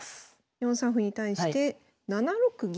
４三歩に対して７六銀。